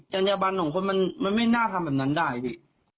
ยังจากบาลหนุ่มคนมันไม่น่าทำแบบนั้นได้สิ